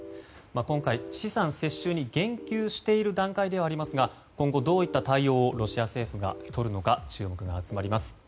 今回、資産接収に言及している段階ではありますが今後、どういった対応をロシア政府がとるのか注目が集まります。